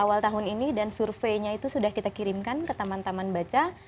awal tahun ini dan surveinya itu sudah kita kirimkan ke taman taman baca